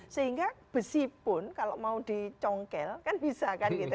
sehingga besi pun kalau mau dicongkel kan bisa